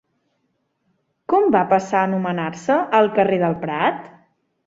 Com va passar a anomenar-se el carrer del Prat?